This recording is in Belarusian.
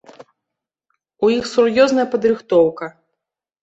У іх сур'ёзная падрыхтоўка.